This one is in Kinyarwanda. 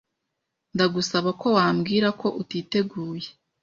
Ndagusaba ko wabwira ko utiteguye.